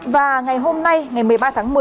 và ngày hôm nay ngày một mươi ba tháng một mươi